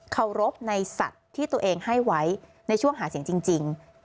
เคารพในสัตว์ที่ตัวเองให้ไว้ในช่วงหาเสียงจริง